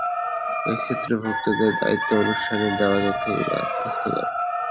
এ ক্ষেত্রে ভোক্তাদের দায়িত্ব অনুষ্ঠানে দেওয়া তথ্যগুলো আত্মস্থ করা।